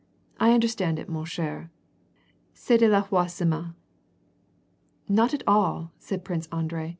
I understand it, mon eher ; (^est de Vheroismey "Not at all," said Prince Andrei."